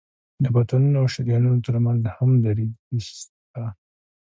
د بطنونو او شریانونو تر منځ هم دریڅې شته.